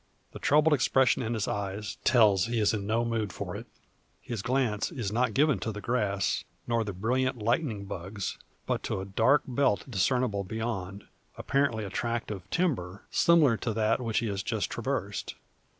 The troubled expression in his eyes, tells he is in no mood for it. His glance is not given to the grass, nor the brilliant "lightning bugs," but to a dark belt discernible beyond, apparently a tract of timber, similar to that he has just traversed.